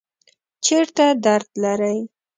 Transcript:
چیرته درد لرئ؟